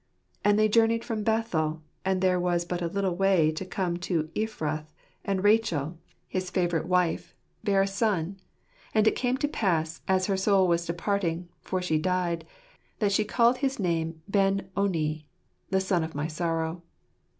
"And they journeyed from Bethel, and there was but a little way to come to Ephrath, and Rachel (his favourite 138 9 o*t$V* Jatljcr. wife) bare a son ; and it came to pass, as her soul was departing, for she died, that she called his name Ben oni, the son of my sorrow."